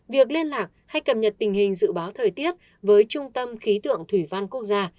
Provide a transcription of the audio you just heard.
việc liên lạc hay cập nhật tình hình dự báo thời tiết với trung tâm khí tượng thủy văn quốc gia